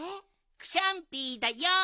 クシャンピーだよん！